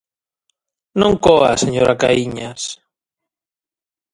¡Non coa, señora Caíñas!